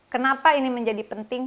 kenapa ini menjadi penting